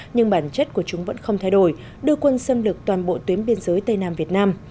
nhưng bản chất của chúng vẫn không thay đổi đưa quân xâm lược toàn bộ tuyến biên giới tây nam việt nam